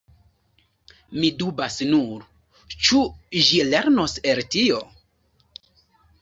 Mi dubas nur, ĉu ĝi lernos el tio.